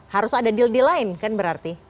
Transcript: harus ada deal deal lain kan berarti